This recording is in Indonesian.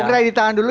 kita ditahan dulu